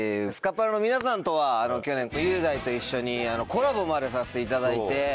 スカパラの皆さんとは去年雄大と一緒にコラボまでさせていただいて。